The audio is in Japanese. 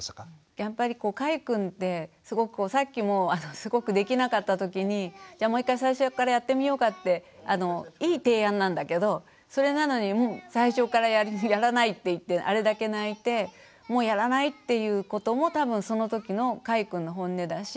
やっぱりかいくんってすごくこうさっきもすごくできなかったときにじゃあもう一回最初からやってみようかっていい提案なんだけどそれなのに最初からやらないって言ってあれだけ泣いてもうやらないっていうことも多分そのときのかいくんのホンネだし。